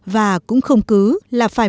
và cũng không cứ là phải